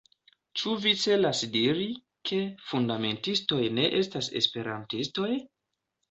Ĉu vi celas diri, ke fundamentistoj ne estas Esperantistoj?